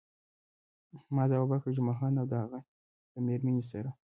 ما ځواب ورکړ، جمعه خان او د هغه له میرمنې سره.